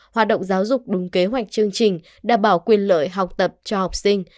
hoạt động giáo dục đúng kế hoạch chương trình đảm bảo quyền lợi học tập cho học sinh